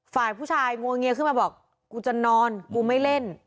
ฝ่ายผู้ชายงวงเงียขึ้นมาบอกกูจะนอนกูไม่เล่น